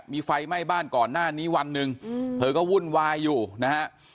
มีไฟไหม้บ้านก่อนหน้านี้วันหนึ่งเธอก็วุ่นวายอยู่นะฮะ